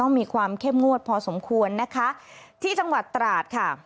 มีความเข้มงวดพอสมควรนะคะที่จังหวัดตราดค่ะ